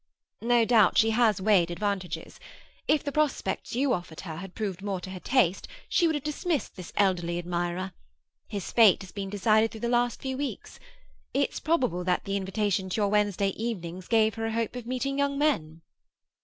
"No doubt she has weighed advantages. If the prospects you offered her had proved more to her taste she would have dismissed this elderly admirer. His fate has been decided during the last few weeks. It's probable that the invitation to your Wednesday evenings gave her a hope of meeting young men."